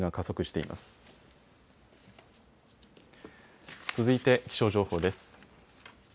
続いて気象情報です。